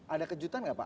ada kejutan nggak pak